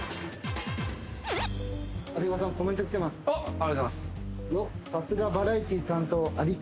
ありがとうございます。